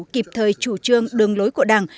kịp thời chủ trương đường lối của đảng